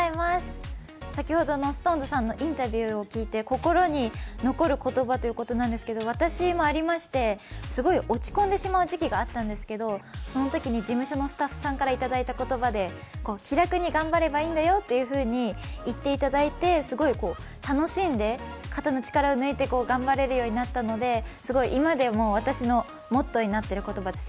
先ほどのＳｉｘＴＯＮＥＳさんのインタビューを聞いて、心に残る言葉ということですけど、私もありまして、すごい落ち込んでしまう時期があったんですけどそのときに事務所のスタッフさんからいただいた言葉で気楽に頑張ればいいんだよというふうに言っていただいて、すごい楽しんで、肩の力を抜いて頑張れるようになったので、すごい今でも私のモットーになっている言葉です。